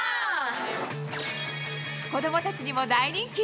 子どもたちにも大人気。